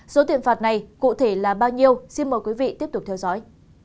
số tiền phạt này cụ thể là bao nhiêu xin mời quý vị tiếp tục theo dõi